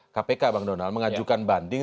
kpk bang donald mengajukan banding